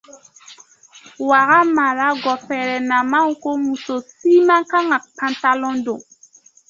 Ouaga mara gofɛrɛnaman ko muso si man kan ka pantalon don